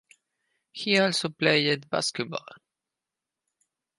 He also played basketball.